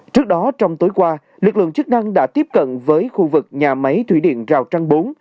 trước đó trong tối qua lực lượng chức năng đã tiếp cận với khu vực nhà máy thủy điện rào trăng bốn